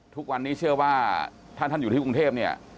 ทุกวันนี้เชื่อว่าถ้าท่านอยู่ที่กรุงเทพเนี่ย